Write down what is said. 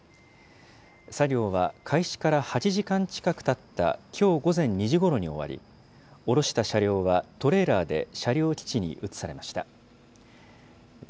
作業は開始から８時間近くたったきょう午前２時ごろに終わり、下ろした車両はトレーラーで車両基地に移されました。